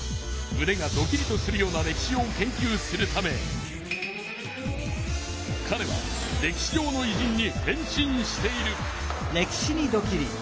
むねがドキリとするような歴史を研究するためかれは歴史上のいじんに変身している。